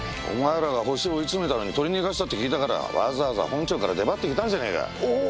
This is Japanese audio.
お前らがホシ追い詰めたのに取り逃がしたって聞いたからわざわざ本庁から出張って来たんじゃねえか！